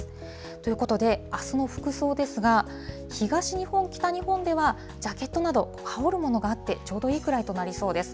ということで、あすの服装ですが、東日本、北日本では、ジャケットなど、羽織るものがあってちょうどいいくらいとなりそうです。